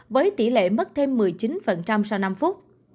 với tỷ lệ mất thêm một mươi chín sau năm phút